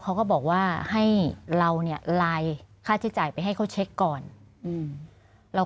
เขาก็บอกว่าให้เราเนี่ยไลน์ค่าใช้จ่ายไปให้เขาเช็คก่อนอืม